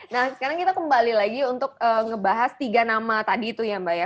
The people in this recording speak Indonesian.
nah sekarang kita kembali lagi untuk ngebahas tiga nama tadi itu ya mbak ya